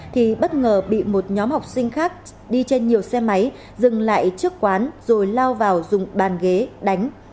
thì bất ngờ bị một nhóm học sinh khác đi trên nhiều xe máy dừng lại trước quán rồi lao vào dùng bàn ghế đánh